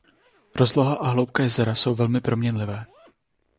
Rozloha a hloubka jezera jsou velmi proměnlivé.